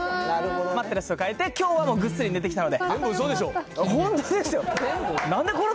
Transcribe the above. マットレスを変えて、きょうはもう、ぐっすり寝てきたので。